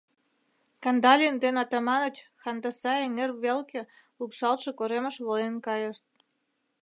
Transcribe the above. Кандалин ден Атаманыч Хандаса эҥер велке лупшалтше коремыш волен кайышт.